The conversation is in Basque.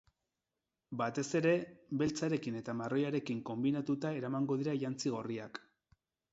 Batez ere, beltzarekin eta marroiarekin konbinatuta eramango dira jantzi gorriak.